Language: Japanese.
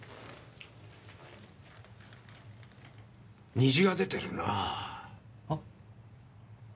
虹が出てるなぁ。は？